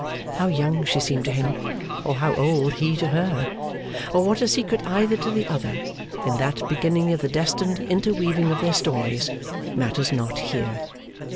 How young she seemed to him, or how old he to her; or what a secret either to the other, in that beginning of the destined interweaving of their stories, matters not here.